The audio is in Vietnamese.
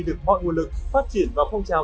được mọi nguồn lực phát triển vào phong trào